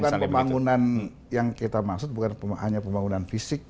bukan pembangunan yang kita maksud bukan hanya pembangunan fisik